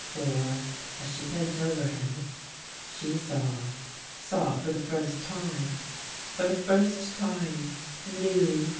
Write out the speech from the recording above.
For, as she bent over him — she saw! Saw for the first time; for the first time, Knew!